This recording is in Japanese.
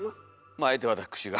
まああえて私が。